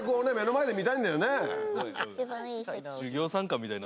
一番いい席。